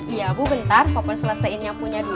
iya bu bentar popon selesain nyapunya dulu